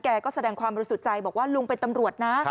แกก็แสดงความรู้สึกใจบอกว่าลุงเป็นตำรวจนะ